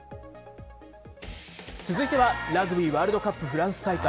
続いてはラグビーワールドカップフランス大会。